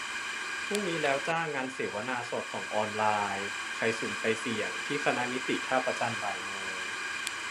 พรุ่งนี้แล้วจ้า งานเสวนา 'สอดส่องออนไลน์ : ใครสุ่ม ใครเสี่ยง ?' ที่คณะนิติ ท่าพระจันทร์ บ่ายโมง